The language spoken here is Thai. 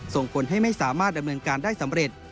ส่งผลให้ไม่สามารถดำเนินการได้สำเร็จ